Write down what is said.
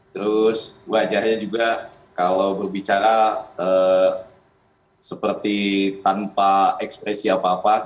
terus wajahnya juga kalau berbicara seperti tanpa ekspresi apa apa